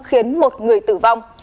khiến một người tử vong